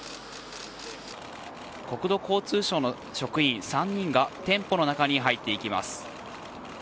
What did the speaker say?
国土交通省の職員３人が店舗の中に入っていきます。